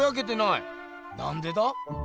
なんでだ？